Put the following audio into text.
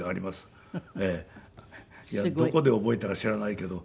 どこで覚えたか知らないけど。